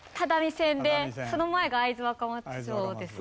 その前が会津若松城ですよね。